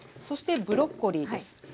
そしてブロッコリーです。